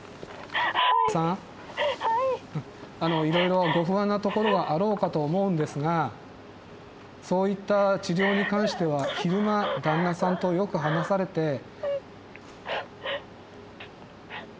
いろいろご不安なところはあろうかと思うんですがそういった治療に関しては昼間旦那さんとよく話されて。